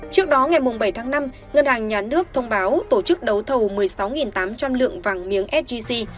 trước đó ngày bảy tháng năm ngân hàng nhà nước thông báo tổ chức đấu thầu một mươi sáu tám trăm linh lượng vàng miếng sgc